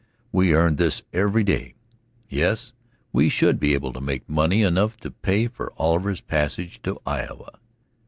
We earned this every day. Yes, we should be able to make money enough together to pay Oliver's passage to Iowa.